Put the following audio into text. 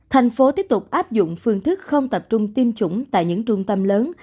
thành phố tiếp tục áp dụng phương thức không tập trung tiêm chủng tại những trung tâm lớn